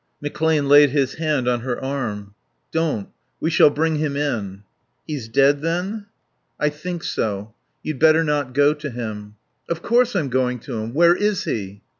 McClane laid his hand on her arm. "Don't. We shall bring him in " "He's dead then?" "I think so You'd better not go to him." "Of course I'm going to him. Where is he?"